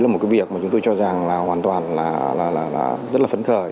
là một cái việc mà chúng tôi cho rằng là hoàn toàn là rất là phấn khởi